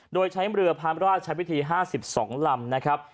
โดยใช้เรือพระราชพิธี๕๒ลำนะครับ